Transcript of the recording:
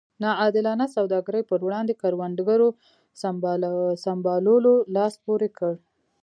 نا عادلانه سوداګرۍ پر وړاندې کروندګرو سمبالولو لاس پورې کړ.